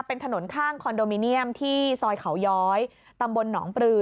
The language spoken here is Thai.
เป็นถนนข้างคอนโดมิเนียมที่ซอยเขาย้อยตำบลหนองปลือ